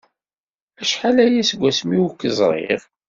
Acḥal aya seg wasmi ur k-ẓriɣ!